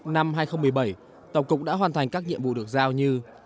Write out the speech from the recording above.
năm hai nghìn một mươi bảy tổng cục đã hoàn thành các nhiệm vụ được giao như